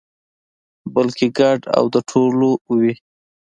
بلکې ګډ او د ټولو وي.